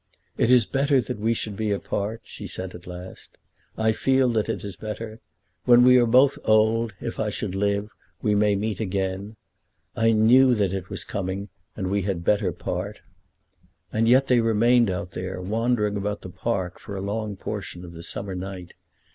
"It is better that we should be apart," she said at last. "I feel that it is better. When we are both old, if I should live, we may meet again. I knew that it was coming, and we had better part." And yet they remained out there, wandering about the park for a long portion of the summer night.